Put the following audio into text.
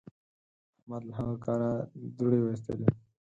احمد له هغه کاره دوړې واېستلې.